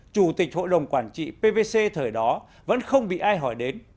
chủ tịch hội đồng quản trị pvc thời đó vẫn không bị ai hỏi đến